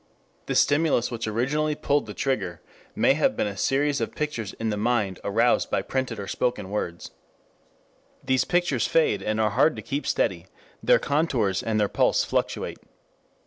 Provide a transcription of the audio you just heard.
The stimulus which originally pulled the trigger may have been a series of pictures in the mind aroused by printed or spoken words. These pictures fade and are hard to keep steady; their contours and their pulse fluctuate.